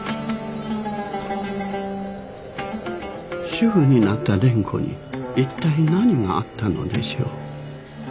主婦になった蓮子に一体何があったのでしょう？